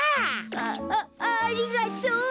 ああありがとう！